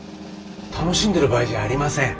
楽しんでる場合じゃありません。